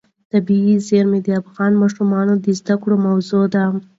طبیعي زیرمې د افغان ماشومانو د زده کړې موضوع ده.